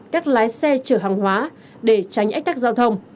các lái xe chở hàng hóa để tránh ách tắc giao thông